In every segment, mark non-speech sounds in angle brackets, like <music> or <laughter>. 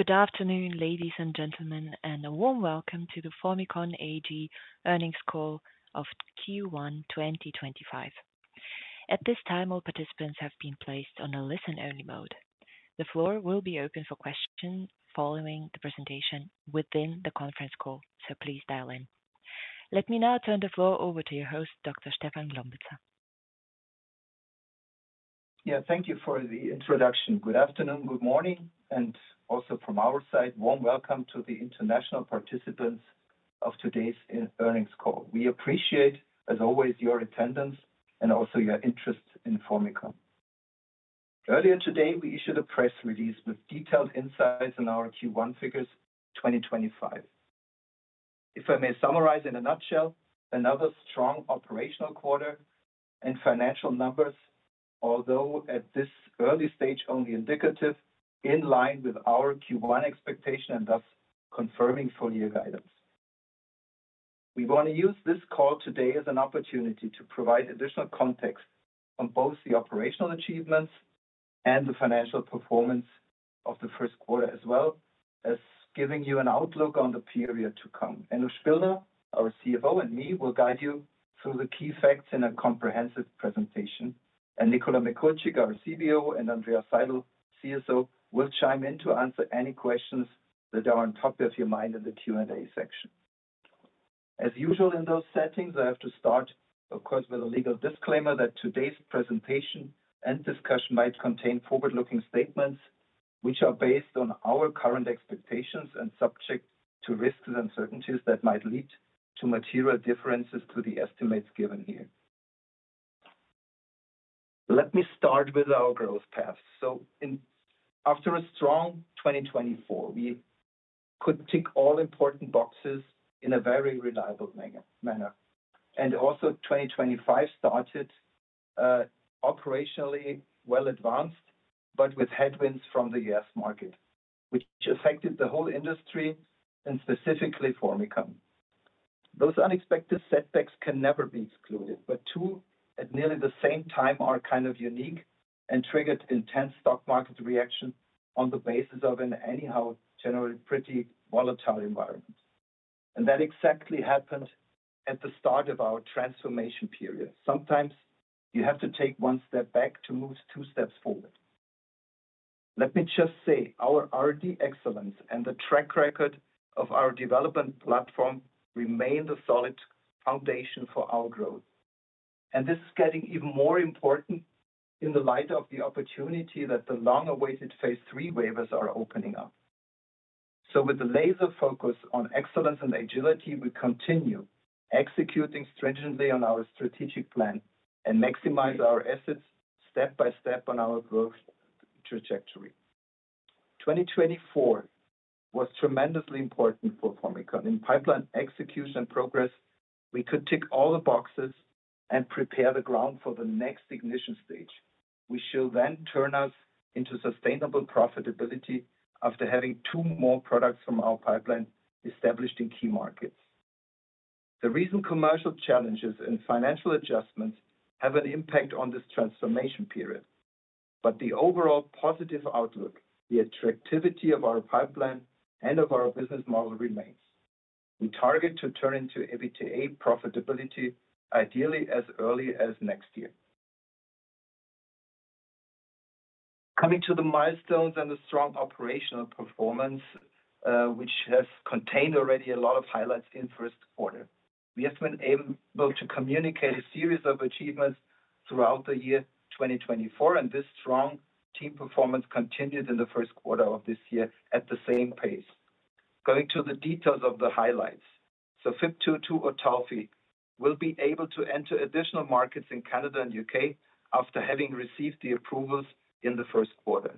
Good afternoon, ladies and gentlemen, and a warm welcome to the Formycon AG Earnings Call of Q1 2025. At this time, all participants have been placed on a listen-only mode. The floor will be open for questions following the presentation within the conference call, so please dial in. Let me now turn the floor over to your host, Dr. Stefan Glombitza. Thank you for the introduction. Good afternoon, good morning, and also from our side, warm welcome to the international participants of today's earnings call. We appreciate, as always, your attendance and also your interest in Formycon. Earlier today, we issued a press release with detailed insights on our Q1 figures 2025. If I may summarize in a nutshell, another strong operational quarter and financial numbers, although at this early stage only indicative, in line with our Q1 expectation and thus confirming full-year guidance. We want to use this call today as an opportunity to provide additional context on both the operational achievements and the financial performance of the first quarter as well as giving you an outlook on the period to come. Enno Spillner, our CFO, and me will guide you through the key facts in a comprehensive presentation, and Nicola Mikulcik, our CBO, and Andreas Seidl, CSO, will chime in to answer any questions that are on top of your mind in the Q&A section. As usual in those settings, I have to start, of course, with a legal disclaimer that today's presentation and discussion might contain forward-looking statements which are based on our current expectations and subject to risks and uncertainties that might lead to material differences to the estimates given here. Let me start with our growth path. After a strong 2024, we could tick all important boxes in a very reliable manner. Also, 2025 started operationally well advanced, but with headwinds from the US market, which affected the whole industry and specifically Formycon. Those unexpected setbacks can never be excluded, but two at nearly the same time are kind of unique and triggered intense stock market reaction on the basis of an anyhow generally pretty volatile environment. That exactly happened at the start of our transformation period. Sometimes you have to take one step back to move two steps forward. Let me just say our R&D excellence and the track record of our development platform remain the solid foundation for our growth. This is getting even more important in the light of the opportunity that the long-awaited phase III waivers are opening up. With the laser focus on excellence and agility, we continue executing stringently on our strategic plan and maximize our assets step by step on our growth trajectory. 2024 was tremendously important for Formycon. In pipeline execution and progress, we could tick all the boxes and prepare the ground for the next ignition stage. We shall then turn us into sustainable profitability after having two more products from our pipeline established in key markets. The recent commercial challenges and financial adjustments have an impact on this transformation period, but the overall positive outlook, the attractivity of our pipeline and of our business model remains. We target to turn into EBITDA profitability ideally as early as next year. Coming to the milestones and the strong operational performance, which has contained already a lot of highlights in first quarter, we have been able to communicate a series of achievements throughout the year 2024, and this strong team performance continued in the first quarter of this year at the same pace. Going to the details of the highlights, FYB202/Otulfi will be able to enter additional markets in Canada and the U.K. after having received the approvals in the first quarter.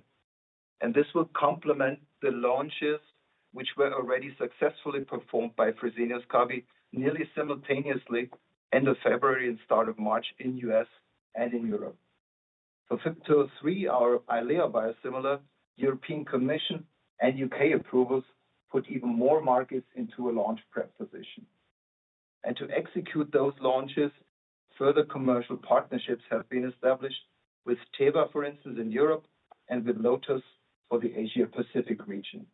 This will complement the launches, which were already successfully performed by Fresenius Kabi nearly simultaneously end of February and start of March in the U.S. and in Europe. FYB203, our Eylea biosimilar, European Commission and U.K. approvals put even more markets into a launch prep position. To execute those launches, further commercial partnerships have been established with Teva, for instance, in Europe, and with Lotus for the Asia-Pacific region.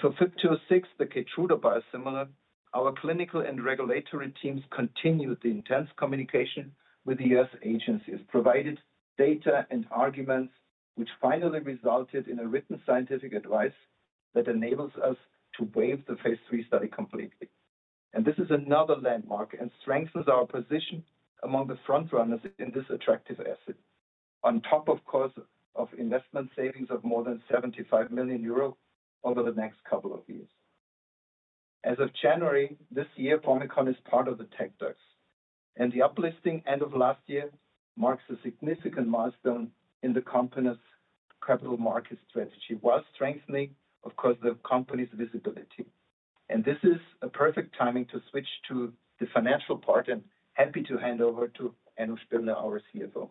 For FYB206, the Keytruda biosimilar, our clinical and regulatory teams continued the intense communication with the U.S. agencies, provided data and arguments, which finally resulted in a written scientific advice that enables us to waive the phase III study completely. This is another landmark and strengthens our position among the front runners in this attractive asset, on top, of course, of investment savings of more than 75 million euro over the next couple of years. As of January this year, Formycon is part of the TecDAX, and the uplisting end of last year marks a significant milestone in the company's capital market strategy while strengthening, of course, the company's visibility. This is a perfect timing to switch to the financial part and happy to hand over to Enno Spillner, our CFO.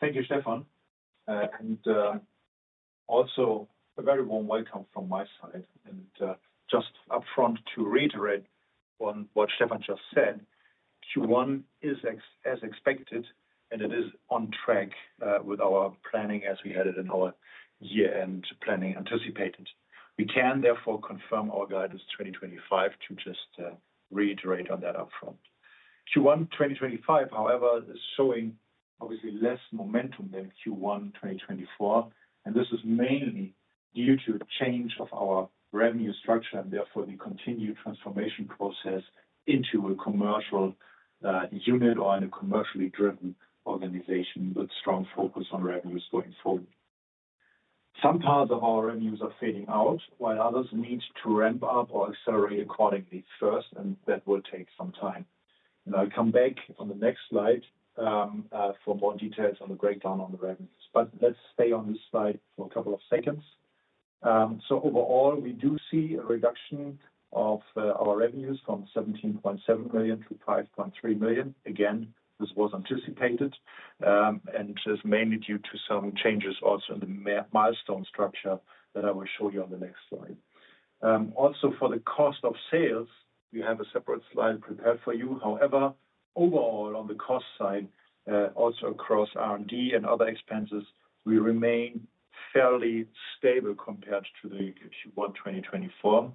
Thank you, Stefan. Also a very warm welcome from my side. Just upfront to reiterate on what Stefan just said, Q1 is as expected, and it is on track with our planning as we had it in our year-end planning anticipated. We can therefore confirm our guidance 2025, to just reiterate on that upfront. Q1 2025, however, is showing obviously less momentum than Q1 2024, and this is mainly due to a change of our revenue structure and therefore the continued transformation process into a commercial unit or in a commercially driven organization with strong focus on revenues going forward. Some parts of our revenues are fading out, while others need to ramp up or accelerate accordingly first, and that will take some time. I'll come back on the next slide for more details on the breakdown on the revenues, but let's stay on this slide for a couple of seconds. Overall, we do see a reduction of our revenues from 17.7 million to 5.3 million. Again, this was anticipated and is mainly due to some changes also in the milestone structure that I will show you on the next slide. Also, for the cost of sales, we have a separate slide prepared for you. However, overall on the cost side, also across R&D and other expenses, we remain fairly stable compared to Q1 2024,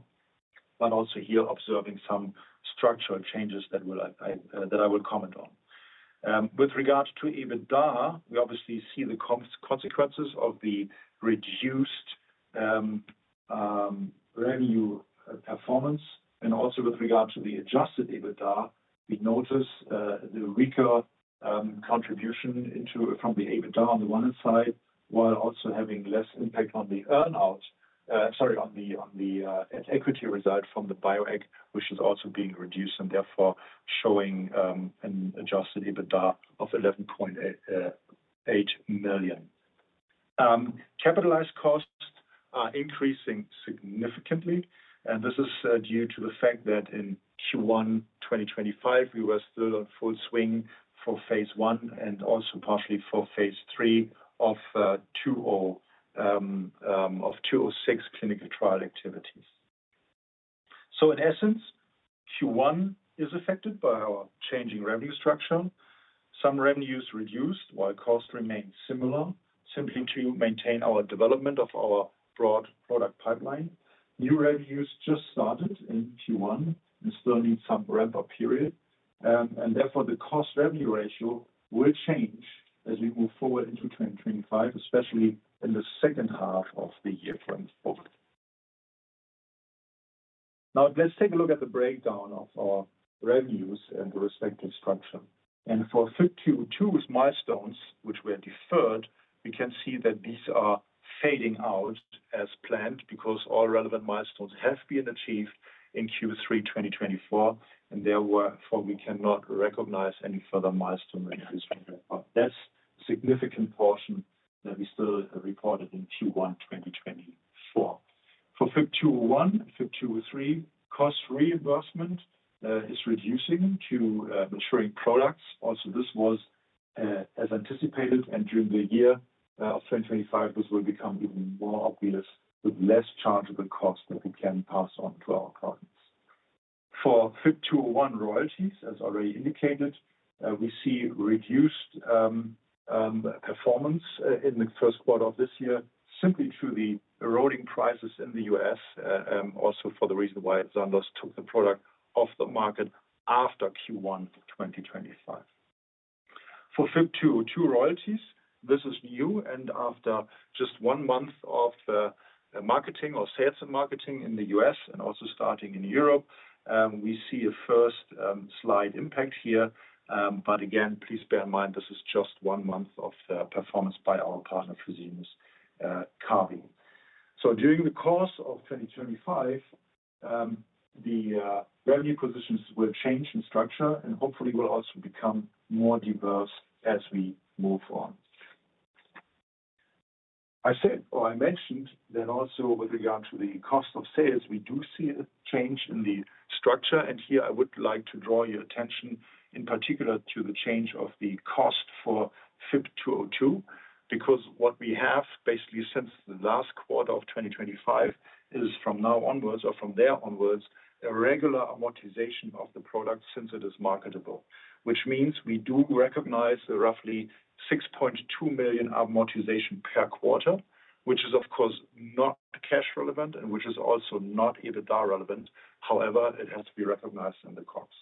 but also here observing some structural changes that I will comment on. With regard to EBITDA, we obviously see the consequences of the reduced revenue performance. Also with regard to the adjusted EBITDA, we notice the weaker contribution from the EBITDA on the one hand side, while also having less impact on the equity result from Bioeq AG, which is also being reduced and therefore showing an adjusted EBITDA of 11.8 million. Capitalized costs are increasing significantly, and this is due to the fact that in Q1 2025, we were still on full swing for phase I and also partially for phase III of 206 clinical trial activities. In essence, Q1 is affected by our changing revenue structure. Some revenues reduced while costs remain similar simply to maintain our development of our broad product pipeline. New revenues just started in Q1 and still need some ramp-up period. Therefore, the cost-revenue ratio will change as we move forward into 2025, especially in the second half of the year going forward. Now, let's take a look at the breakdown of our revenues and the respective structure. For FYB202's milestones, which were deferred, we can see that these are fading out as planned because all relevant milestones have been achieved in Q3 2024, and therefore we cannot recognize any further milestone increase from there. That is a significant portion that we still reported in Q1 2024. For FYB201 and FYB203, cost reimbursement is reducing to maturing products. Also, this was as anticipated, and during the year of 2025, this will become even more obvious with less chargeable costs that we can pass on to our partners. For FYB201 royalties, as already indicated, we see reduced performance in the first quarter of this year simply due to the eroding prices in the U.S., also for the reason why Sandoz took the product off the market after Q1 2025. For FYB202 royalties, this is new, and after just one month of marketing or sales and marketing in the US and also starting in Europe, we see a first slight impact here. Again, please bear in mind this is just one month of performance by our partner Fresenius Kabi. During the course of 2025, the revenue positions will change in structure and hopefully will also become more diverse as we move on. I said or I mentioned that also with regard to the cost of sales, we do see a change in the structure, and here I would like to draw your attention in particular to the change of the cost for FYB202 because what we have basically since the last quarter of 2025 is from now onwards or from there onwards a regular amortization of the product since it is marketable, which means we do recognize roughly 6.2 million amortization per quarter, which is of course not cash relevant and which is also not EBITDA relevant. However, it has to be recognized in the cost,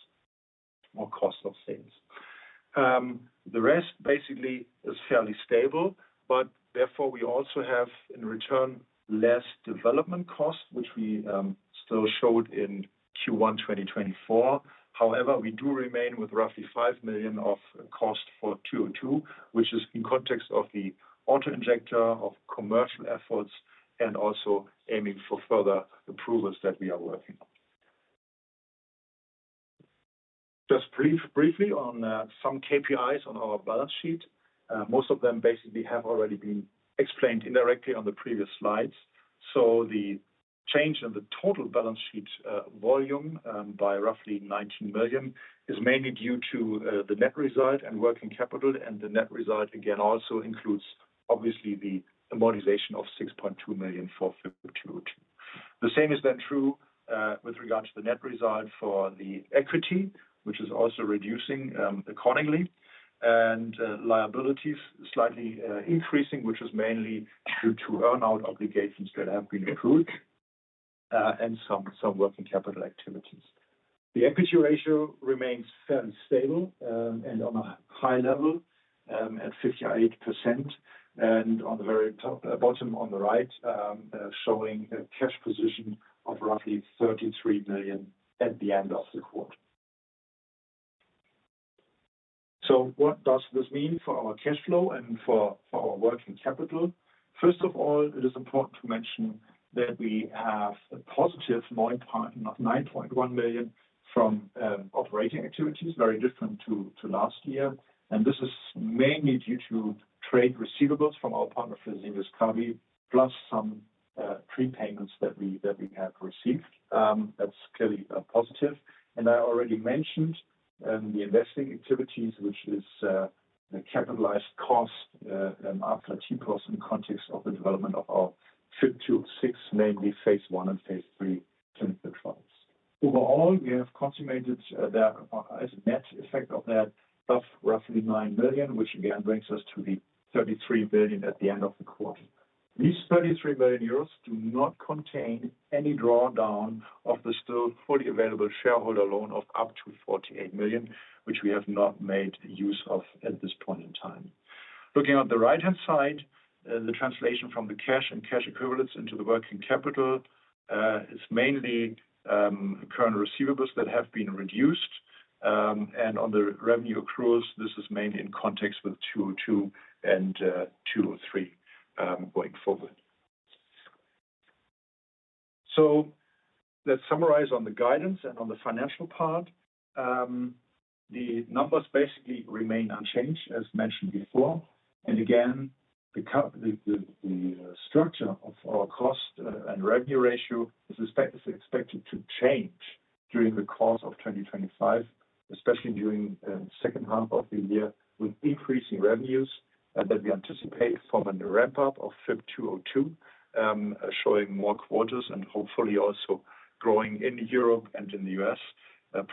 more cost of sales. The rest basically is fairly stable, but therefore we also have in return less development cost, which we still showed in Q1 2024. However, we do remain with roughly 5 million of cost for 202, which is in context of the auto injector of commercial efforts and also aiming for further approvals that we are working on. Just briefly on some KPIs on our balance sheet. Most of them basically have already been explained indirectly on the previous slides. The change in the total balance sheet volume by roughly 19 million is mainly due to the net result and working capital, and the net result again also includes obviously the amortization of 6.2 million for FYB202. The same is then true with regard to the net result for the equity, which is also reducing accordingly, and liabilities slightly increasing, which is mainly due to earnout obligations that have been approved and some working capital activities. The Equity Ratio remains fairly stable and on a high level at 58%, and on the very bottom on the right showing a cash position of roughly 33 million at the end of the quarter. What does this mean for our cash flow and for our working capital? First of all, it is important to mention that we have a positive 9.1 million from operating activities, very different to last year, and this is mainly due to trade receivables from our partner Fresenius Kabi, plus some prepayments that we have received. That's clearly positive. I already mentioned the investing activities, which is the capitalized cost after TPoS in context of the development of our FYB206, mainly phase I and phase III clinical trials. Overall, we have consummated that as a net effect of that of roughly 9 million, which again brings us to the 33 million at the end of the quarter. These 33 million euros do not contain any drawdown of the still fully available shareholder loan of up to 48 million, which we have not made use of at this point in time. Looking at the right-hand side, the translation from the cash and cash equivalents into the working capital is mainly current receivables that have been reduced, and on the revenue accruals, this is mainly in context with 202 and 203 going forward. Let's summarize on the guidance and on the financial part. The numbers basically remain unchanged, as mentioned before, and again, the structure of our cost and revenue ratio is expected to change during the course of 2025, especially during the second half of the year with increasing revenues that we anticipate from a ramp-up of FYB202, showing more quarters and hopefully also growing in Europe and in the U.S.,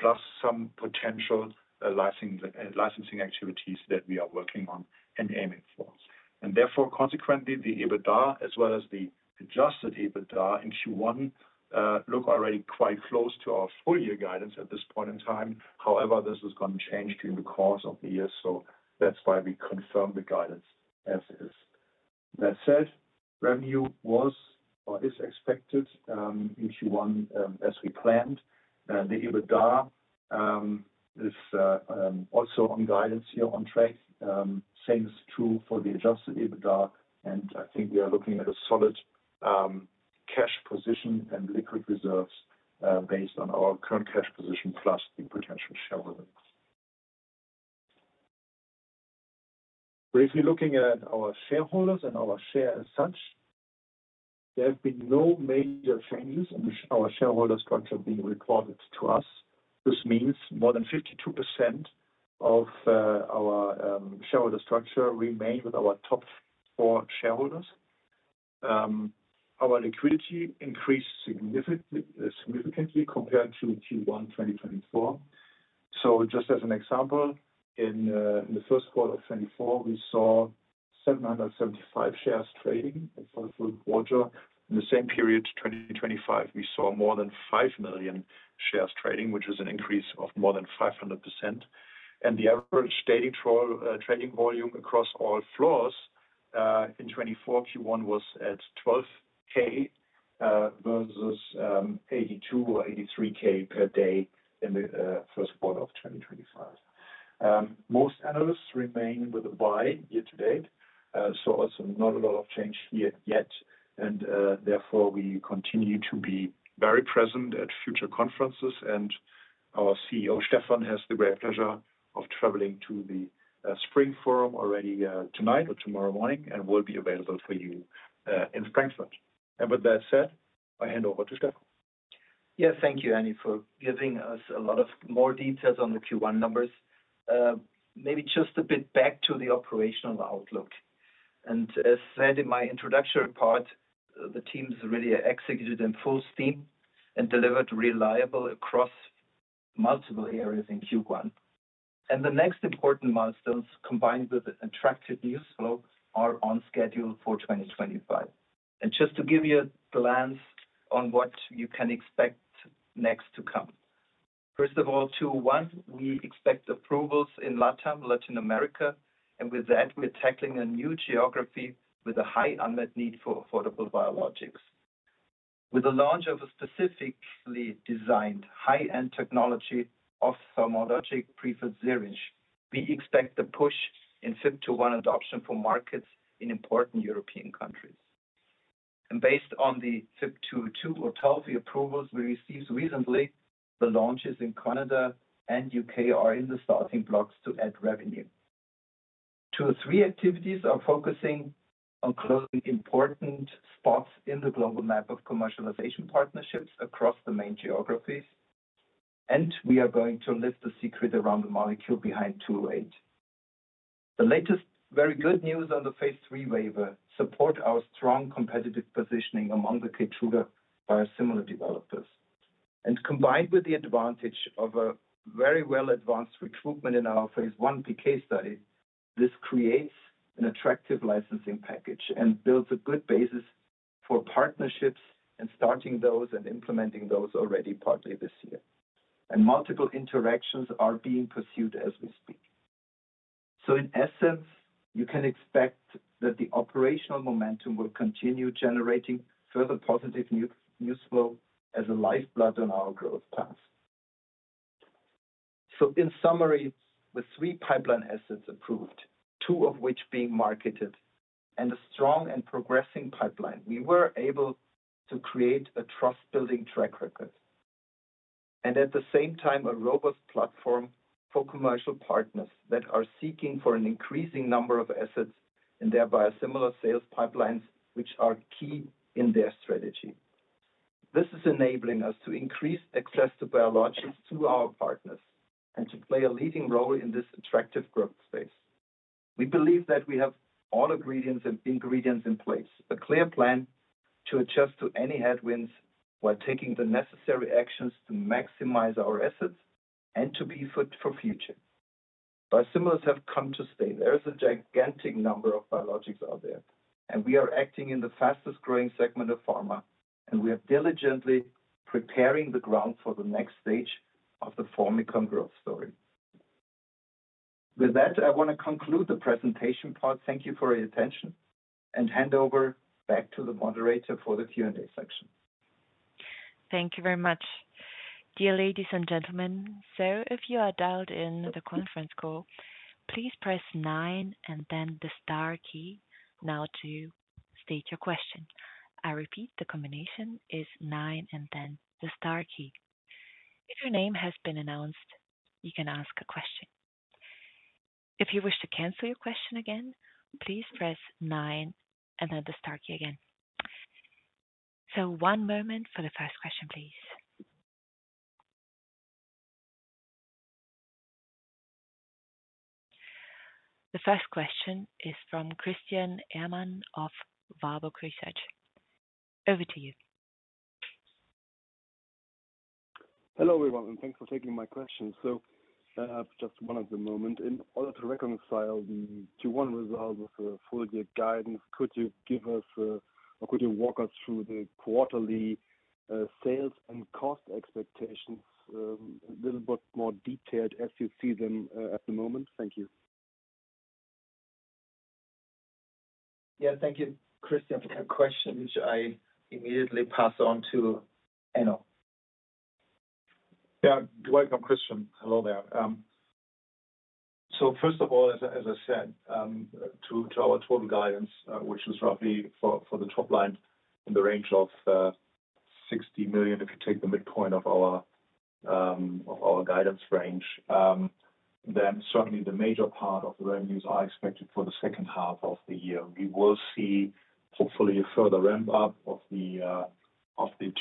plus some potential licensing activities that we are working on and aiming for. Therefore, consequently, the EBITDA, as well as the adjusted EBITDA in Q1, look already quite close to our full year guidance at this point in time. However, this is going to change during the course of the year, so that's why we confirm the guidance as is. That said, revenue was or is expected in Q1 as we planned. The EBITDA is also on guidance here on track. Same is true for the adjusted EBITDA, and I think we are looking at a solid cash position and liquid reserves based on our current cash position plus the potential shareholders. Briefly looking at our shareholders and our share as such, there have been no major changes in our shareholder structure being reported to us. This means more than 52% of our shareholder structure remains with our top four shareholders. Our liquidity increased significantly compared to Q1 2024. Just as an example, in the first quarter of 2024, we saw 775 shares trading in the first quarter. In the same period, 2025, we saw more than 5 million shares trading, which is an increase of more than 500%. The average trading volume across all floors in 2024 Q1 was at 12,000 versus 82,000 or 83,000 per day in the first quarter of 2025. Most analysts remain with a buy year to date, so also not a lot of change here yet. Therefore, we continue to be very present at future conferences, and our CEO, Stefan, has the great pleasure of traveling to the Spring Forum already tonight or tomorrow morning and will be available for you in Frankfurt. With that said, I hand over to Stefan. Thank you, Enno, for giving us a lot of more details on the Q1 numbers. Maybe just a bit back to the operational outlook. As said in my introductory part, the teams really executed in full steam and delivered reliable across multiple areas in Q1. The next important milestones, combined with attractive news flow, are on schedule for 2025. Just to give you a glance on what you can expect next to come. First of all, Q1, we expect approvals in LATAM, Latin America, and with that, we're tackling a new geography with a high unmet need for affordable biologics. With the launch of a specifically designed high-end technology of thermologic pre-filled syringe, we expect the push in FYB201 adoption for markets in important European countries. Based on the FYB202/Otulfi approvals we received recently, the launches in Canada and U.K. are in the starting blocks to add revenue. Two or three activities are focusing on closing important spots in the global map of commercialization partnerships across the main geographies, and we are going to lift the secret around the molecule behind 208. The latest very good news on the phase III waiver supports our strong competitive positioning among the Keytruda biosimilar developers. Combined with the advantage of a very well-advanced recruitment in our phase I PK case study, this creates an attractive licensing package and builds a good basis for partnerships and starting those and implementing those already partly this year. Multiple interactions are being pursued as we speak. In essence, you can expect that the operational momentum will continue generating further positive news flow as a lifeblood on our growth path. In summary, with three pipeline assets approved, two of which being marketed and a strong and progressing pipeline, we were able to create a trust-building track record. At the same time, a robust platform for commercial partners that are seeking for an increasing number of assets in their biosimilar sales pipelines, which are key in their strategy. This is enabling us to increase access to biologics to our partners and to play a leading role in this attractive growth space. We believe that we have all ingredients in place, a clear plan to adjust to any headwinds while taking the necessary actions to maximize our assets and to be fit for future. Biosimilars have come to stay. There is a gigantic number of biologics out there, and we are acting in the fastest growing segment of pharma, and we are diligently preparing the ground for the next stage of the Formycon growth story. With that, I want to conclude the presentation part. Thank you for your attention and hand over back to the moderator for the Q&A section. Thank you very much. Dear ladies and gentlemen, if you are dialed in the conference call, please press nine and then the star key now to state your question. I repeat, the combination is nine and then the star key. If your name has been announced, you can ask a question. If you wish to cancel your question again, please press nine and then the star key again. One moment for the first question, please. The first question is from Christian Ehrmann of Warburg Research. Over to you. Hello everyone, and thanks for taking my question. Just one at the moment. In order to reconcile the Q1 result with the full year guidance, could you give us or could you walk us through the quarterly sales and cost expectations a little bit more detailed as you see them at the moment? Thank you. Thank you, Christian, for that question, which I immediately pass on to Enno. Welcome, Christian. Hello there. First of all, as I said, to our total guidance, which is roughly for the top line in the range of 60 million, if you take the midpoint of our guidance range, then certainly the major part of the revenues are expected for the second half of the year. We will see hopefully a further ramp-up of the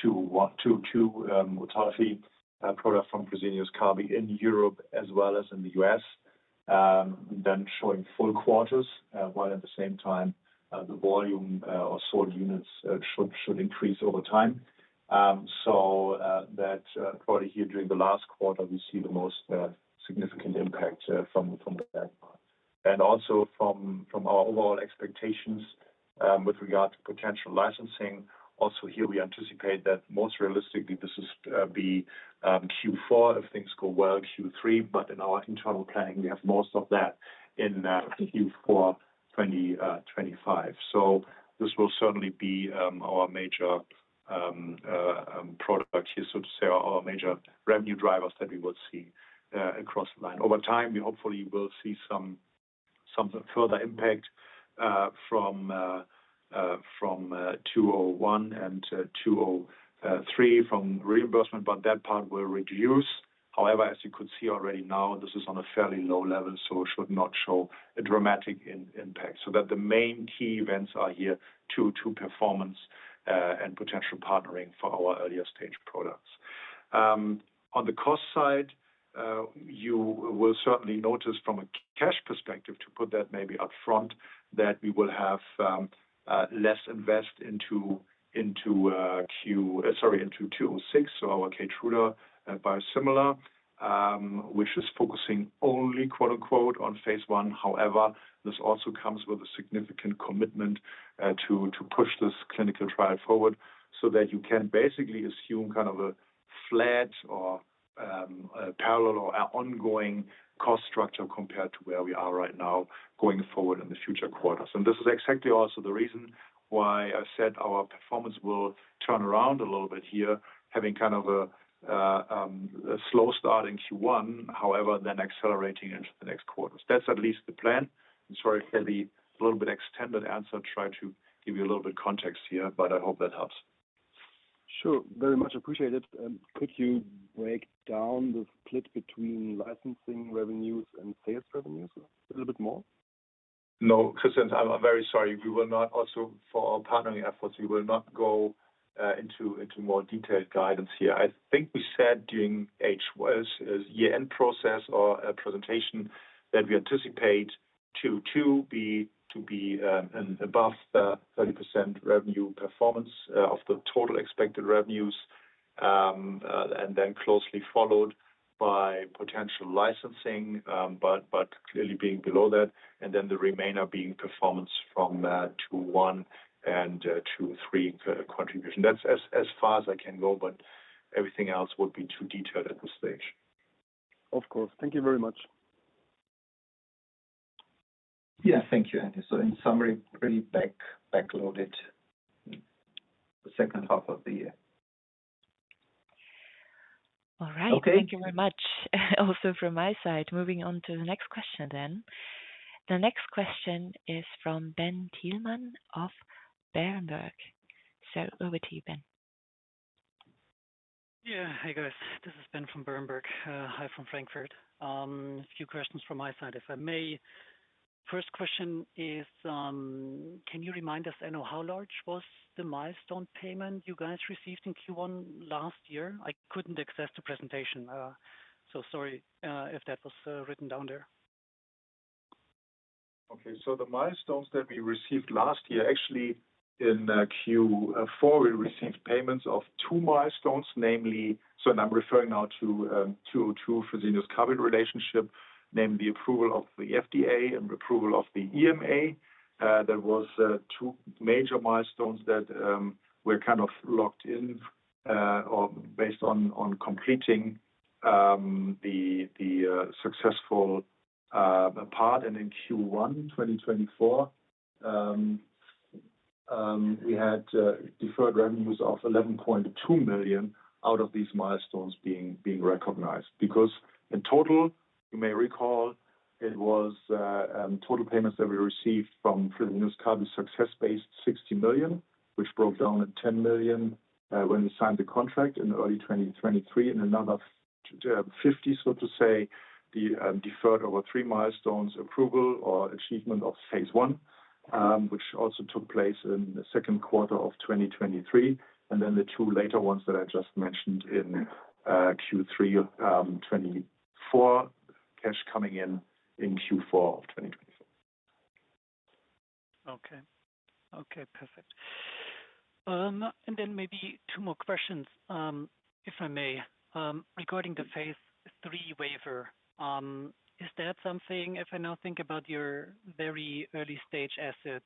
202/Otulfi product from Fresenius Kabi in Europe as well as in the US, then showing full quarters, while at the same time the volume or sold units should increase over time. That probably here during the last quarter, we see the most significant impact from that. Also from our overall expectations with regard to potential licensing, we anticipate that most realistically this will be Q4 if things go well, Q3, but in our internal planning, we have most of that in Q4 2025. This will certainly be our major product here, so to say, our major revenue drivers that we will see across the line. Over time, we hopefully will see some further impact from 201 and 203 from reimbursement, but that part will reduce. However, as you could see already now, this is on a fairly low level, so it should not show a dramatic impact. The main key events are here to performance and potential partnering for our earlier stage products. On the cost side, you will certainly notice from a cash perspective, to put that maybe upfront, that we will have less invest into 206, so our Keytruda biosimilar, which is focusing only "on phase I". However, this also comes with a significant commitment to push this clinical trial forward so that you can basically assume kind of a flat or parallel or ongoing cost structure compared to where we are right now going forward in the future quarters. This is exactly also the reason why I said our performance will turn around a little bit here, having kind of a slow start in Q1, however, then accelerating into the next quarters. That is at least the plan. I'm sorry for the a little bit extended answer, trying to give you a little bit of context here, but I hope that helps. Sure, very much appreciated. Could you break down the split between licensing revenues and sales revenues a little bit more? No, Christian, I'm very sorry. We will not, also for our partnering efforts, we will not go into more detailed guidance here. I think we said during <unintelligible> year-end process or presentation that we anticipate 202 to be above the 30% revenue performance of the total expected revenues, and then closely followed by potential licensing, but clearly being below that, and then the remainder being performance from 201 and 203 contribution. That's as far as I can go, but everything else would be too detailed at this stage. Of course. Thank you very much. Thank you, Enno. In summary, really backloaded the second half of the year. All right, thank you very much. Also from my side, moving on to the next question then. The next question is from Ben Thielmann of Berenberg. So over to you, Ben. Hi guys. This is Ben from Berenberg. Hi from Frankfurt. A few questions from my side, if I may. First question is, can you remind us, Enno, how large was the milestone payment you guys received in Q1 last year? I could not access the presentation, so sorry if that was written down there. So the milestones that we received last year, actually in Q4, we received payments of two milestones, namely, so I am referring now to 202 Fresenius Kabi relationship, namely approval of the FDA and approval of the EMA. There were two major milestones that were kind of locked in or based on completing the successful part. And in Q1 2024, we had deferred revenues of 11.2 million out of these milestones being recognized. Because in total, you may recall, it was total payments that we received from Fresenius Kabi success-based 60 million, which broke down at 10 million when we signed the contract in early 2023. Another 50 million, so to say, deferred over three milestones, approval or achievement of phase I, which also took place in the second quarter of 2023. Then the two later ones that I just mentioned in Q3 2024, cash coming in in Q4 of 2024. Okay. Okay, perfect. Maybe two more questions, if I may, regarding the phase III waiver. Is that something, if I now think about your very early stage assets,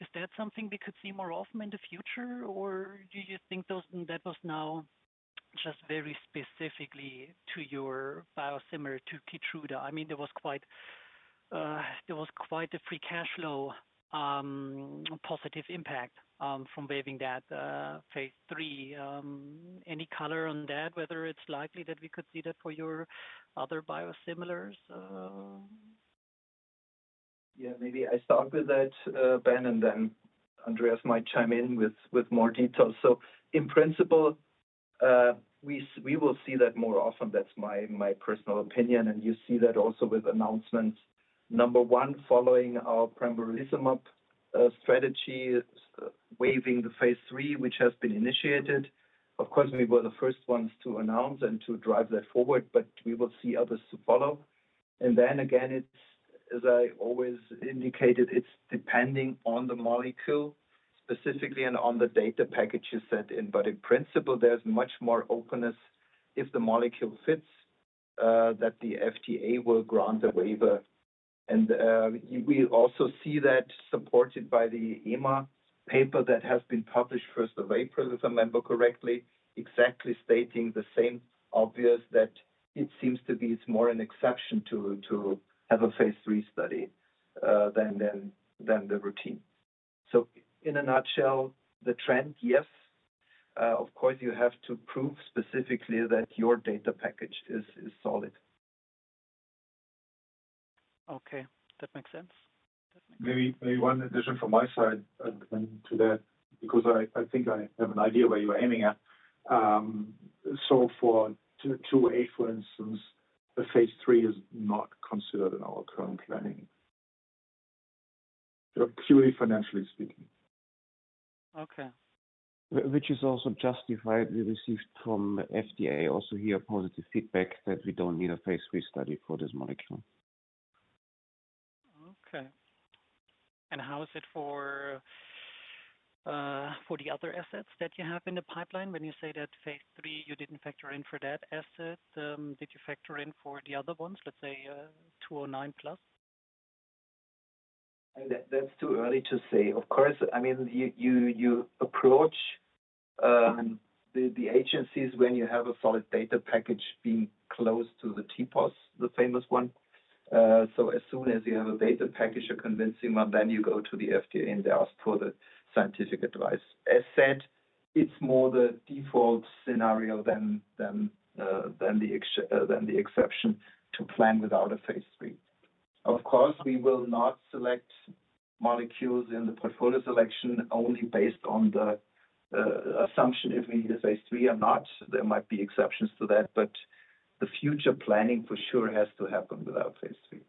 is that something we could see more often in the future, or do you think that was now just very specifically to your biosimilar to Keytruda? I mean, there was quite a free cash flow positive impact from waiving that phase III. Any color on that, whether it's likely that we could see that for your other biosimilars? Maybe I start with that, Ben, and then Andreas might chime in with more details. In principle, we will see that more often. That's my personal opinion. You see that also with announcements. Number one, following our pembrolizumab strategy, waiving the phase III, which has been initiated. Of course, we were the first ones to announce and to drive that forward, but we will see others to follow. As I always indicated, it's depending on the molecule specifically and on the data packages that are in, but in principle, there's much more openness if the molecule fits that the FDA will grant a waiver. We also see that supported by the EMA paper that has been published 1st of April, if I remember correctly, exactly stating the same., obvious that it seems to be it's more an exception to have a phase III study than the routine. In a nutshell, the trend, yes. Of course, you have to prove specifically that your data package is solid. Okay, that makes sense. Maybe one addition from my side to that, because I think I have an idea where you're aiming at. For Q8, for instance, the phase three is not considered in our current planning, purely financially speaking. Okay. Which is also justified. We received from FDA also here positive feedback that we don't need a phase III study for this molecule. Okay. How is it for the other assets that you have in the pipeline? When you say that phase III, you did not factor in for that asset, did you factor in for the other ones, let's say 209 plus? That is too early to say. Of course, I mean, you approach the agencies when you have a solid data package being close to the TPoS, the famous one. As soon as you have a data package, you are convincing them, then you go to the FDA and they ask for the scientific advice. As said, it is more the default scenario than the exception to plan without a phase III. Of course, we will not select molecules in the portfolio selection only based on the assumption if we need a phase III or not. There might be exceptions to that, but the future planning for sure has to happen without phase III.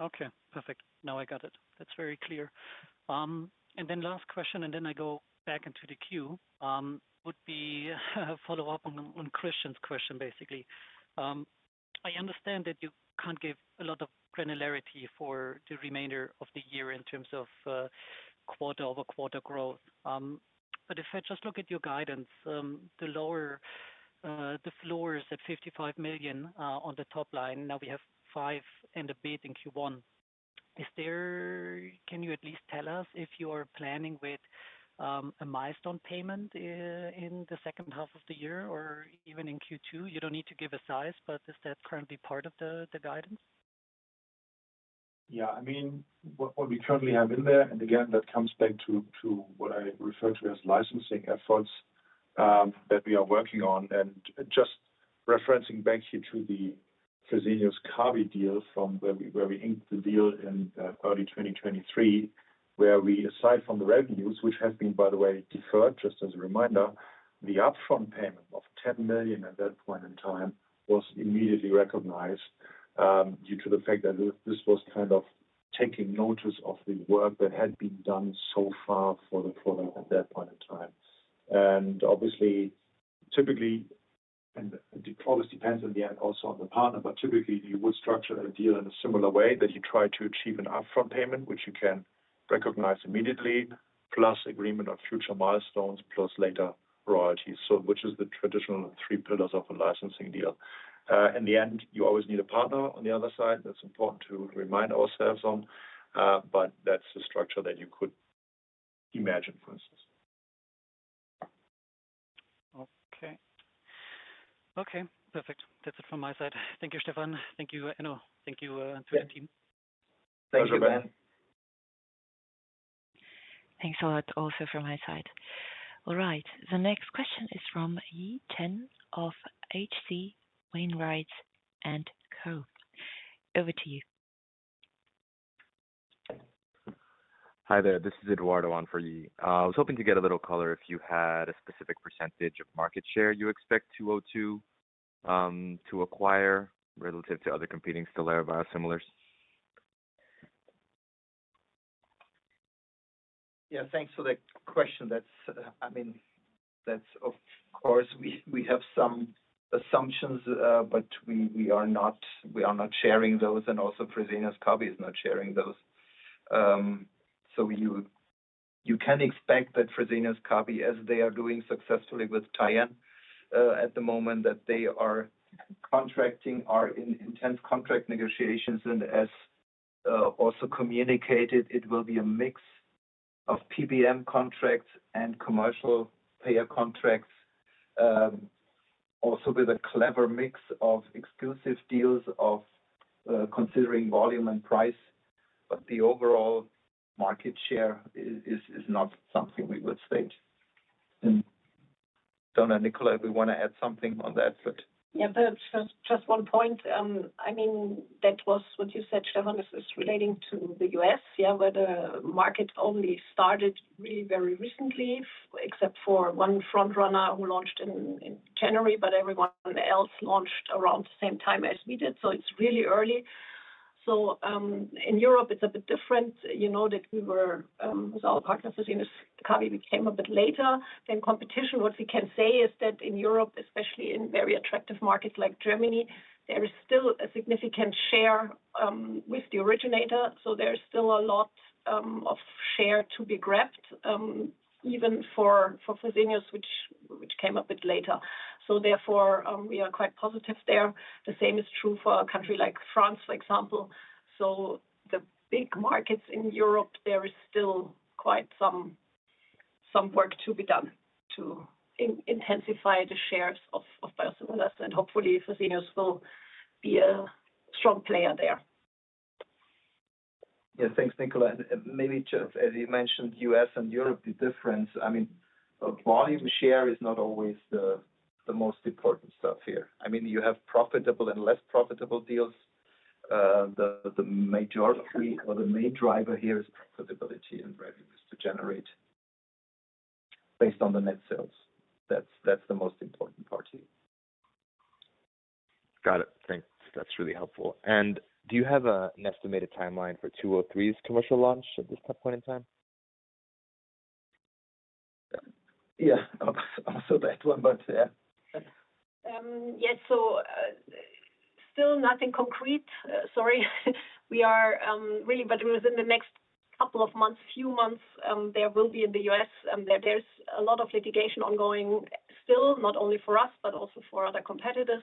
Okay, perfect. Now I got it. That is very clear. Last question, and then I go back into the queue, would be a follow-up on Christian's question, basically. I understand that you can't give a lot of granularity for the remainder of the year in terms of quarter-over-quarter growth. If I just look at your guidance, the lower the floors at 55 million on the top line, now we have five and a bit in Q1. Can you at least tell us if you are planning with a milestone payment in the second half of the year or even in Q2? You don't need to give a size, but is that currently part of the guidance? Yeah, I mean, what we currently have in there, and again, that comes back to what I refer to as licensing efforts that we are working on. Just referencing back here to the Fresenius Kabi deal from where we inked the deal in early 2023, where we, aside from the revenues, which have been, by the way, deferred, just as a reminder, the upfront payment of 10 million at that point in time was immediately recognized due to the fact that this was kind of taking notice of the work that had been done so far for the product at that point in time. Obviously, typically, and it always depends in the end also on the partner, but typically you would structure a deal in a similar way that you try to achieve an upfront payment, which you can recognize immediately, plus agreement of future milestones, plus later royalties, which is the traditional three pillars of a licensing deal. In the end, you always need a partner on the other side. That's important to remind ourselves on, but that's the structure that you could imagine, for instance. Perfect. That's it from my side. Thank you, Stefan. Thank you, Enno. Thank you to the team. Thank you, Ben. Thanks a lot also from my side. All right, the next question is from Yi Chen of HC Wainwright & Co. Over to you. Hi there, this is Eduardo on for Yi. I was hoping to get a little color if you had a specific percentage of market share you expect 202 to acquire relative to other competing Stelara biosimilars. Thanks for the question. I mean, of course, we have some assumptions, but we are not sharing those, and also Fresenius Kabi is not sharing those. You can expect that Fresenius Kabi, as they are doing successfully with Tyenne at the moment, that they are contracting, are in intense contract negotiations. As also communicated, it will be a mix of PBM contracts and commercial payer contracts, also with a clever mix of exclusive deals of considering volume and price. The overall market share is not something we would state. I don't know, Nicola, if we want to add something on that. Just one point. I mean, that was what you said, Stefan, is relating to the U.S., yeah, where the market only started really very recently, except for one front runner who launched in January, but everyone else launched around the same time as we did. It is really early. In Europe, it is a bit different. You know that we were with our partner, Fresenius Kabi, became a bit later than competition. What we can say is that in Europe, especially in very attractive markets like Germany, there is still a significant share with the originator. There's still a lot of share to be grabbed, even for Fresenius, which came a bit later. Therefore, we are quite positive there. The same is true for a country like France, for example. The big markets in Europe, there is still quite some work to be done to intensify the shares of biosimilars, and hopefully, Fresenius will be a strong player there. Thanks, Nicola. Maybe just, as you mentioned, US and Europe, the difference, I mean, volume share is not always the most important stuff here. I mean, you have profitable and less profitable deals. The majority or the main driver here is profitability and revenues to generate based on the net sales. That's the most important part here. Got it. Thanks. That's really helpful. Do you have an estimated timeline for 203's commercial launch at this point in time? Also that one, but yeah. So, still nothing concrete. Sorry. Within the next couple of months, few months, there will be in the U.S., there's a lot of litigation ongoing still, not only for us, but also for other competitors.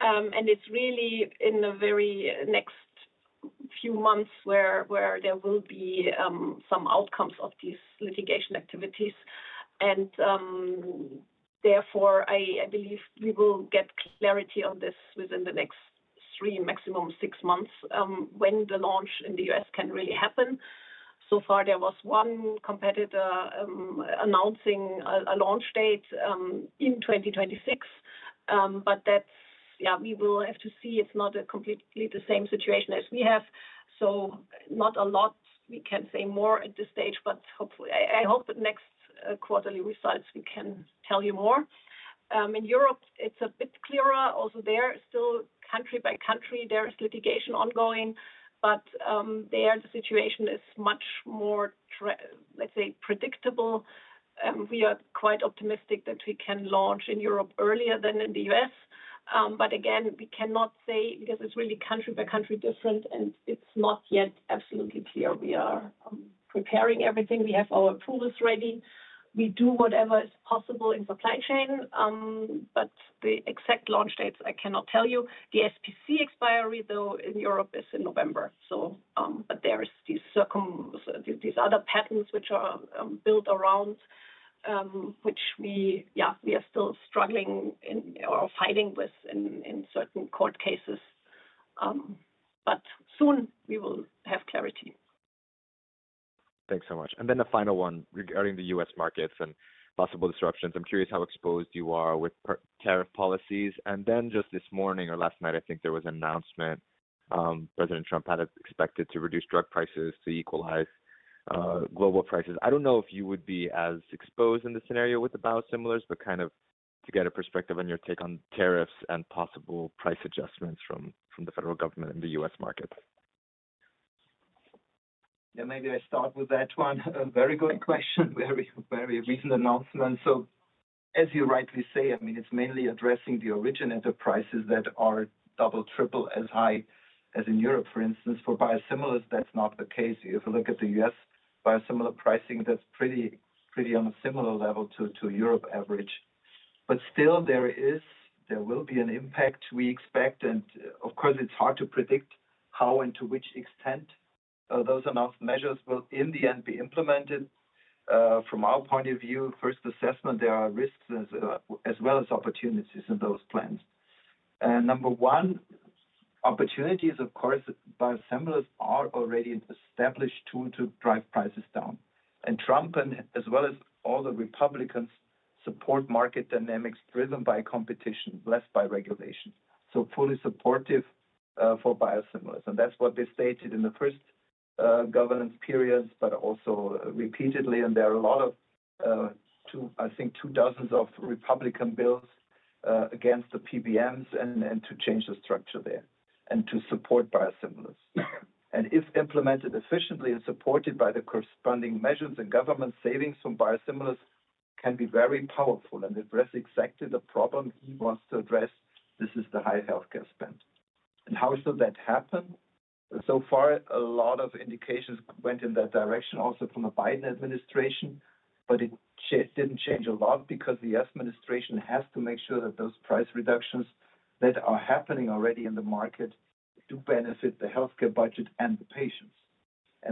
It's really in the very next few months where there will be some outcomes of these litigation activities. Therefore, I believe we will get clarity on this within the next three, maximum six months when the launch in the U.S. can really happen. So far, there was one competitor announcing a launch date in 2026, but that's, yeah, we will have to see. It's not completely the same situation as we have. Not a lot we can say more at this stage, but I hope that next quarterly results, we can tell you more. In Europe, it's a bit clearer. Also there, still country by country, there is litigation ongoing, but there the situation is much more, let's say, predictable. We are quite optimistic that we can launch in Europe earlier than in the U.S. Again, we cannot say because it's really country by country different, and it's not yet absolutely clear. We are preparing everything. We have our approvals ready. We do whatever is possible in supply chain, but the exact launch dates, I cannot tell you. The SPC expiry, though, in Europe is in November. There are these other patents which are built around, which we are still struggling or fighting with in certain court cases. Soon we will have clarity. Thanks so much. The final one regarding the U.S. markets and possible disruptions. I'm curious how exposed you are with tariff policies. Just this morning or last night, I think there was an announcement. President Trump had expected to reduce drug prices to equalize global prices. I do not know if you would be as exposed in the scenario with the biosimilars, but kind of to get a perspective on your take on tariffs and possible price adjustments from the federal government and the U.S. markets. Maybe I start with that one. Very good question. Very recent announcement. As you rightly say, I mean, it is mainly addressing the originator prices that are double, triple as high as in Europe. For instance, for biosimilars, that is not the case. If you look at the U.S. biosimilar pricing, that is pretty on a similar level to Europe average. Still, there will be an impact, we expect. Of course, it's hard to predict how and to which extent those announced measures will in the end be implemented. From our point of view, first assessment, there are risks as well as opportunities in those plans. Number one, opportunities, of course, biosimilars are already an established tool to drive prices down. Trump, as well as all the Republicans, support market dynamics driven by competition, less by regulation. Fully supportive for biosimilars. That's what they stated in the first governance periods, but also repeatedly. There are, I think, two dozen Republican bills against the PBMs and to change the structure there and to support biosimilars. If implemented efficiently and supported by the corresponding measures and government savings from biosimilars, this can be very powerful and address exactly the problem he wants to address. This is the high healthcare spend. How should that happen? So far, a lot of indications went in that direction, also from the Biden administration, but it did not change a lot because the U.S. administration has to make sure that those price reductions that are happening already in the market do benefit the healthcare budget and the patients.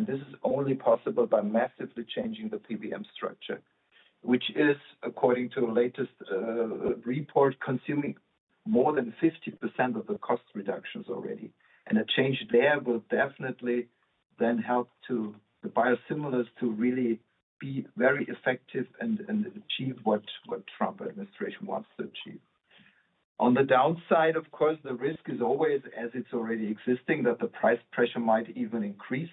This is only possible by massively changing the PBM structure, which is, according to the latest report, consuming more than 50% of the cost reductions already. A change there will definitely then help the biosimilars to really be very effective and achieve what the Trump administration wants to achieve. On the downside, of course, the risk is always, as it is already existing, that the price pressure might even increase.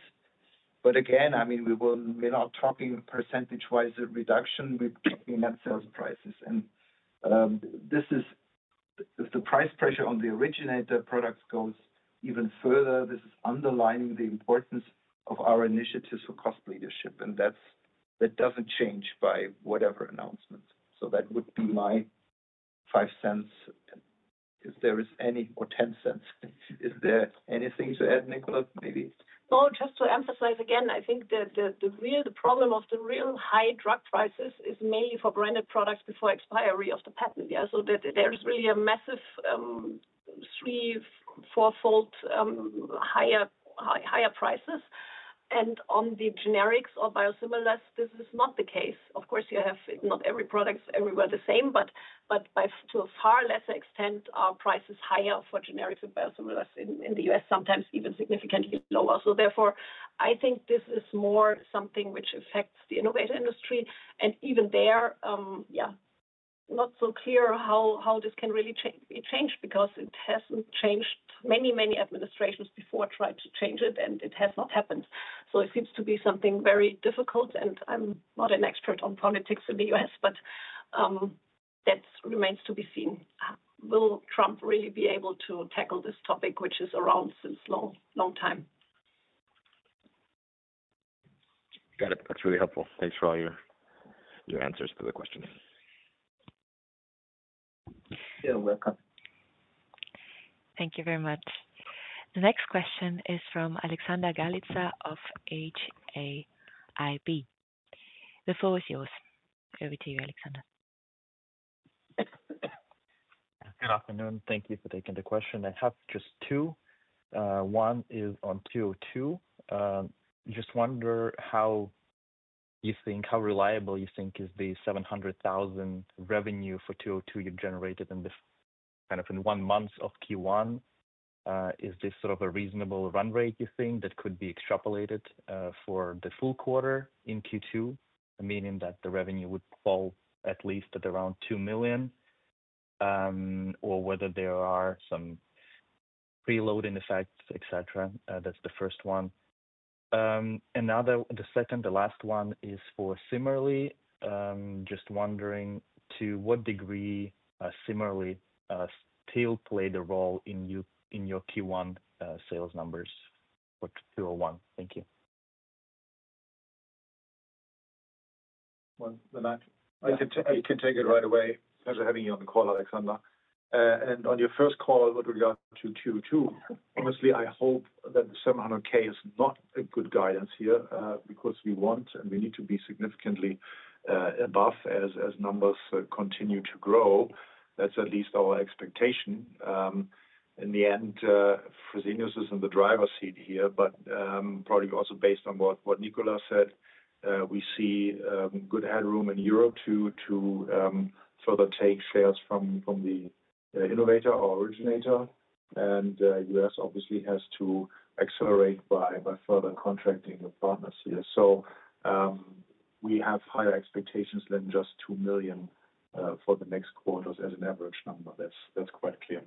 Again, I mean, we are not talking percentage-wise reduction. We are talking net sales prices. If the price pressure on the originator products goes even further, this is underlining the importance of our initiatives for cost leadership. That does not change by whatever announcement. That would be my five cents, if there is any, or ten cents. Is there anything to add, Nicola? Maybe. Just to emphasize again, I think the real problem of the real high drug prices is mainly for branded products before expiry of the patent. There are really massive three-fold, four-fold higher prices. On the generics or biosimilars, this is not the case. Of course, you have not every product everywhere the same, but to a far lesser extent, our price is higher for generics and biosimilars in the US, sometimes even significantly lower. Therefore, I think this is more something which affects the innovator industry. Even there, not so clear how this can really be changed because it has not changed. Many, many administrations before tried to change it, and it has not happened. It seems to be something very difficult. I am not an expert on politics in the U.S., but that remains to be seen. Will Trump really be able to tackle this topic, which is around since a long time? Got it. That is really helpful. Thanks for all your answers to the questions. You are welcome. Thank you very much. The next question is from Alexander Galitza of HAIB. The floor is yours. Over to you, Alexander. Good afternoon. Thank you for taking the question. I have just two. One is on 202. Just wonder how you think, how reliable you think is the 700,000 revenue for 202 you have generated in kind of in one month of Q1. Is this sort of a reasonable run rate, you think, that could be extrapolated for the full quarter in Q2, meaning that the revenue would fall at least at around 2 million, or whether there are some preloading effects, etc.? That is the first one. The second, the last one is for Cimerli. Just wondering to what degree Cimerli still played a role in your Q1 sales numbers for 201. Thank you. I can take it right away. Thanks for having me on the call, Alexander. On your first call with regard to Q2, honestly, I hope that the 700,000 is not a good guidance here because we want and we need to be significantly above as numbers continue to grow. That is at least our expectation. In the end, Fresenius is in the driver's seat here, but probably also based on what Nicola said, we see good headroom in Europe to further take shares from the innovator or originator. The U.S. obviously has to accelerate by further contracting with partners here. We have higher expectations than just 2 million for the next quarters as an average number. That is quite clear.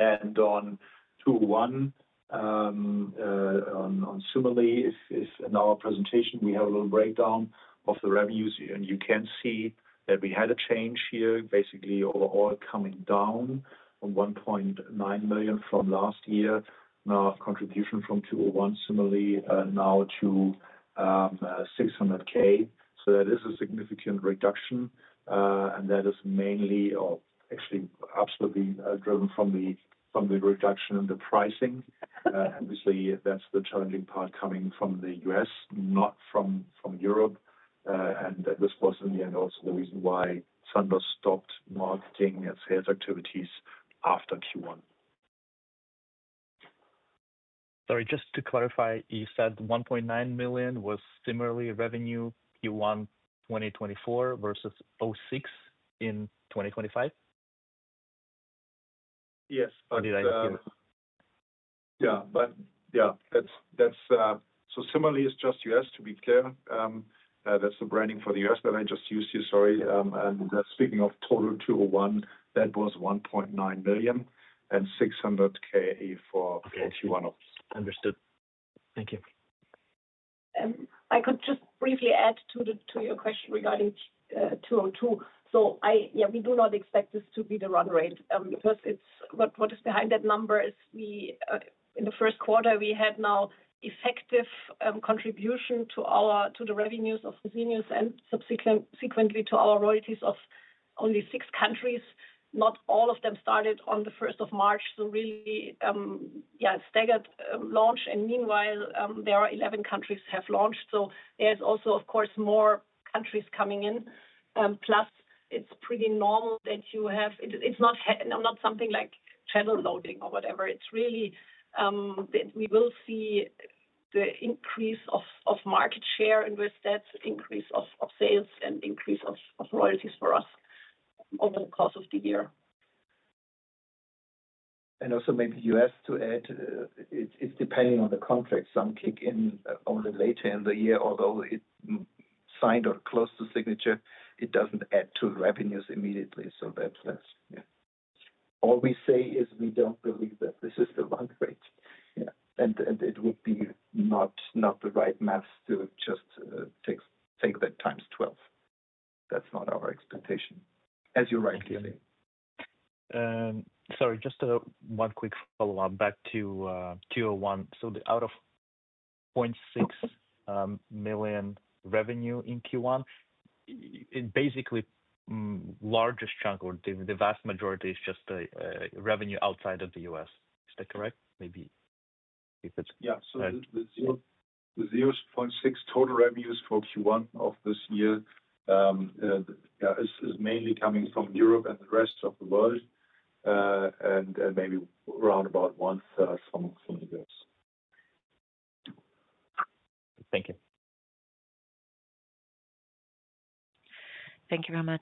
On 201, on Cimerli, in our presentation, we have a little breakdown of the revenues. You can see that we had a change here, basically overall coming down from 1.9 million from last year, now a contribution from 201 Cimerli now to 600,000. That is a significant reduction. That is mainly, or actually absolutely driven from the reduction in the pricing. Obviously, that is the challenging part coming from the U.S., not from Europe. This was, in the end, also the reason why Sandoz stopped marketing and sales activities after Q1. Sorry, just to clarify, you said 1.9 million was Cimerli revenue Q1 2024 versus 0.6 million in 2025? Yes. Or did I hear? Yeah, but yeah, that's so Cimerli is just US, to be clear. That's the branding for the US that I just used here, sorry. Speaking of total 201, that was 1.9 million and 600,000 for Q1 of. Understood. Thank you. I could just briefly add to your question regarding 202. We do not expect this to be the run rate. What is behind that number is in the first quarter, we had now effective contribution to the revenues of Fresenius and subsequently to our royalties of only six countries. Not all of them started on the 1st of March. Really, staggered launch. Meanwhile, there are 11 countries have launched. There are also, of course, more countries coming in. Plus, it's pretty normal that you have, it's not something like shadow loading or whatever. It's really that we will see the increase of market share and with that increase of sales and increase of royalties for us over the course of the year. Also, maybe just to add, it's depending on the contract. Some kick in only later in the year, although it's signed or close to signature, it doesn't add to revenues immediately. All we say is we don't believe that this is the run rate. It would not be the right maths to just take that times 12. That's not our expectation, as you're right, clearly. Sorry, just one quick follow-up back to 201. Out of 0.6 million revenue in Q1, basically the largest chunk or the vast majority is just revenue outside of the U.S. Is that correct? Maybe if it's— So the 0.6 million total revenues for Q1 of this year is mainly coming from Europe and the rest of the world, and maybe around about one-third from the U.S. Thank you. Thank you very much.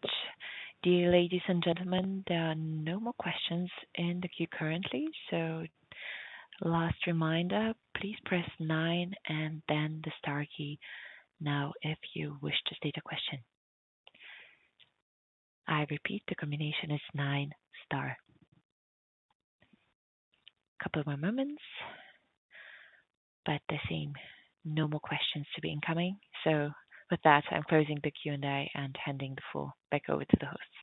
Dear ladies and gentlemen, there are no more questions in the queue currently. Last reminder, please press nine and then the star key now if you wish to state a question. I repeat, the combination is nine star. Couple more moments, but I see no more questions to be incoming. With that, I'm closing the Q&A and handing the floor back over to the hosts.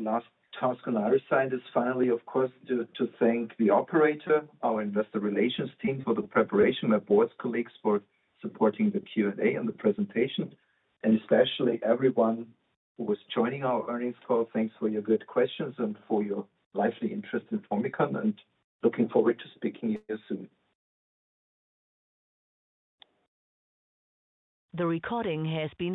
Last task on our side is finally, of course, to thank the operator, our Investor Relations team for the preparation, my board colleagues for supporting the Q&A and the presentation. Especially everyone who was joining our Earnings Call, thanks for your good questions and for your lively interest in Formycon. Looking forward to speaking with you soon. The recording has been.